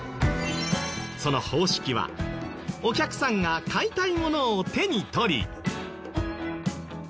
その方式はお客さんが買いたいものを手に取り。